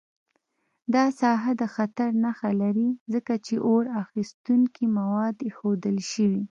دا ساحه د خطر نښه لري، ځکه چې اور اخیستونکي مواد ایښودل شوي.